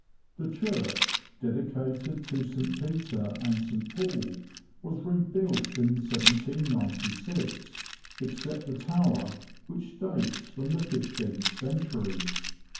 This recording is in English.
The church, dedicated to St. Peter and St. Paul, was rebuilt in 1796, except the tower, which dates from the fifteenth century.